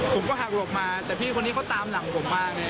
ผมก็หักหลบมาแต่พี่คนนี้เขาตามหลังผมมาไง